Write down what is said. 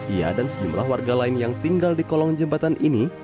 ia dan sejumlah warga lain yang tinggal di kolong jembatan ini